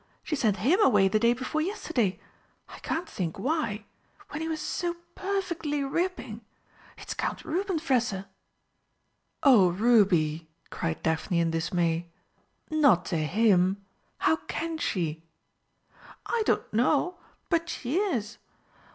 She sent him away the day before yesterday. I can't think why when he was so perfectly ripping. It's Count Rubenfresser." "Oh, Ruby!" cried Daphne in dismay. "Not to him! How can she?" "I don't know but she is.